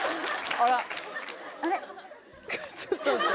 あれ？